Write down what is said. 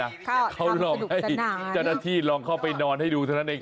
เขาทำสนุกกันหน่อยเขาลองให้เจ้าหน้าที่ลองเข้าไปนอนให้ดูเท่านั้นเอง